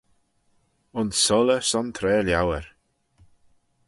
Ayns soylley son tra liauyr.